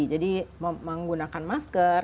jadi menggunakan masker